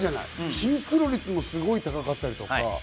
シンクロ率もすごく高かったりとか。